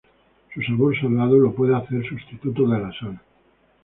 Su sabor salado puede hacerle sustituto de la sal.